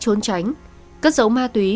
trốn tránh cất giấu ma túy